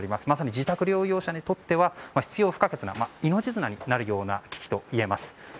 まさに自宅療養者にとっては必要不可欠な命綱になるような機器といえます。